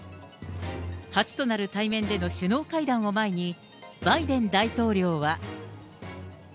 初となる対面での首脳会談を前に、バイデン大統領は。